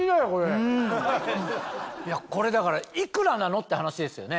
これだから幾らなの？って話ですよね。